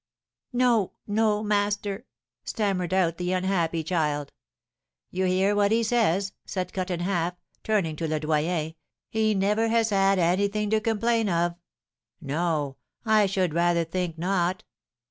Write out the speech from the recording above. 'No no master,' stammered out the unhappy child. 'You hear what he says?' said Cut in Half, turning to Le Doyen, 'he never has had anything to complain of. No; I should rather think not!